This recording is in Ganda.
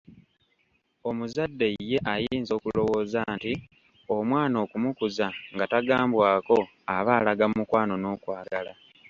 Omuzadde ye ayinza okulowooza nti omwana okumukuza nga tagambwako aba alaga mukwano n'okwagala.